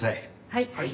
はい。